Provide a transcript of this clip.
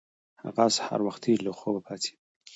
هغه سهار وختي له خوبه پاڅیده.